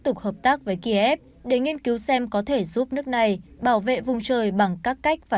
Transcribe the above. các đối tác với ký hiệp để nghiên cứu xem có thể giúp nước này bảo vệ vùng trời bằng các cách và